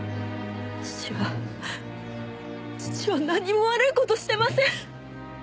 父は父は何も悪い事してません！